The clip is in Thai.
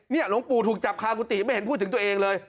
หลวงปู่ถูกจับคากุฏิไม่เห็นพูดถึงตัวเองเลย